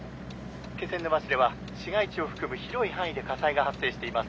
気仙沼市では市街地を含む広い範囲で火災が発生しています。